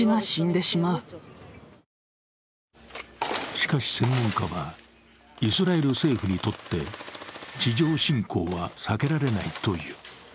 しかし専門家は、イスラエル政府にとって地上侵攻は避けられないという。